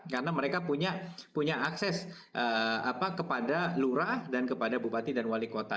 karena mereka punya akses kepada lura dan kepada bupati dan wali kota